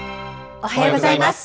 おはようございます。